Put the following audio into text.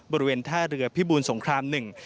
บริเวณท่าเรือพิบูรสงครามหนึ่ง